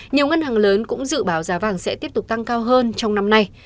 nhiều ngân hàng lớn cũng dự báo giá vàng sẽ tiếp tục tăng cao hơn trong năm nay